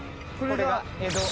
これが。